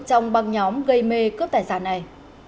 trong băng nhóm gây mê cướp tài sản này